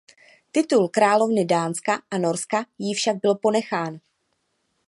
Titul královny Dánska a Norska jí však byl ponechán.